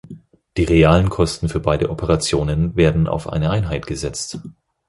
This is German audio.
Die realen Kosten für beide Operation werden auf eine Einheit gesetzt.